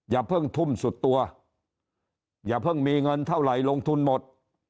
อย่าเพิ่งทุ่มสุดตัวอย่าเพิ่งมีเงินเท่าไหร่ลงทุนหมด